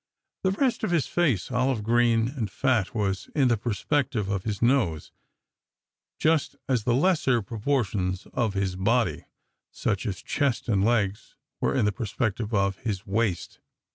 The rest of his face, olive green and fat, was in the perspective of this nose, just as the lesser proportions of his body, such as chest and legs, were in the perspective of his waist.